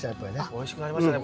おいしくなりましたね。